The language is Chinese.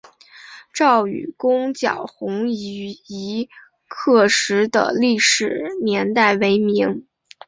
赵纾攻剿红夷刻石的历史年代为明。